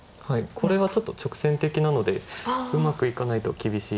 これはちょっと直線的なのでうまくいかないと厳しい。